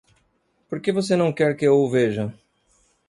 Por que você não quer que eu o veja?